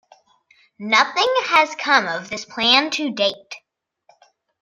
Nothing has come of this plan to date.